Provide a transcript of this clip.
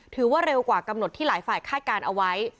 ถือว่าเร็วกว่ากำหนดที่หลายฝ่ายคาดการณ์เอาไว้